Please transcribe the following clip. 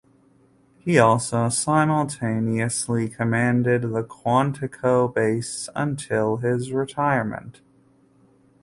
He also simultaneously commanded the Quantico Base until his retirement.